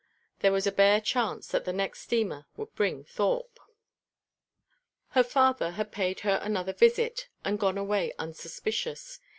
There was a bare chance that the next steamer would bring Thorpe. Her father had paid her another visit, and gone away unsuspicious.